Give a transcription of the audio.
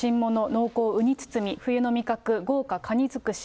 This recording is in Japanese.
濃厚うに包み冬の味覚豪華かに尽くし。